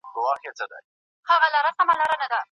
ښځه د ټولنې په منځ کي د نرمۍ او مهربانۍ کلتور ته وده ورکوي.